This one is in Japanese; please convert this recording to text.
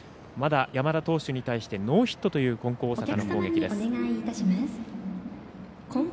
まだ、山田投手に対してノーヒットという金光大阪の攻撃です。